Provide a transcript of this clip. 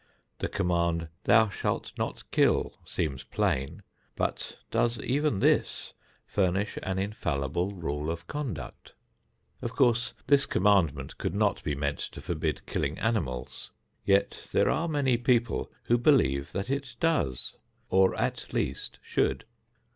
The command, "Thou shalt not kill," seems plain, but does even this furnish an infallible rule of conduct? Of course this commandment could not be meant to forbid killing animals. Yet there are many people who believe that it does, or at least should.